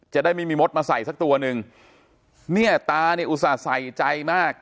จะได้ไม่มีมดมาใส่สักตัวหนึ่งเนี่ยตาเนี่ยอุตส่าห์ใส่ใจมาก